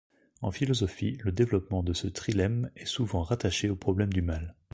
En philosophie, le développement de ce trilemme est souvent rattaché au problème du mal.